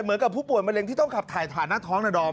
เหมือนกับผู้ป่วยมะเร็งที่ต้องขับถ่ายผ่านหน้าท้องนะดอม